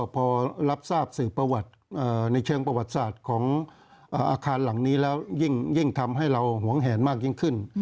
พอรับทราบสื่อประวัติในเชิงประวัติศาสตร์ของอาคารหลังนี้แล้วยิ่งทำให้เราหวงแหนมากยิ่งขึ้น